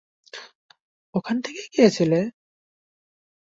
ওখানেই থেকে গিয়েছিলে?